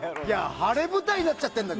晴れ舞台になっちゃってんだよ。